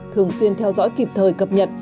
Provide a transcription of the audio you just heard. thường xuyên theo dõi kịp thời cập nhật